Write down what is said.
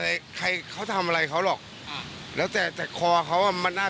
ไม่ได้ยอมขึ้นด้วยไหนก็บที่ถ้ายจบยังไงก็ผมใช้